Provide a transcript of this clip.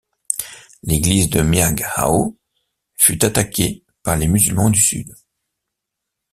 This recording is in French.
L'église de Miag-ao fut attaquée par les musulmans du sud.